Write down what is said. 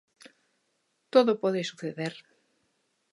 Todo pode suceder.